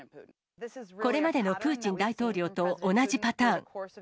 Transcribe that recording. これまでのプーチン大統領と同じパターン。